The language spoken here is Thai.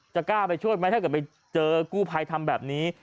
กล้าไปช่วยไหมถ้าเกิดไปเจอกู้ภัยทำแบบนี้